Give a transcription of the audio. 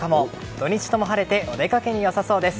土日とも晴れてお出かけに良さそうです。